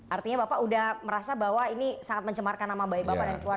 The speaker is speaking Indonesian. artinya bapak sudah merasa bahwa ini sangat mencemarkan nama baik bapak dan keluarga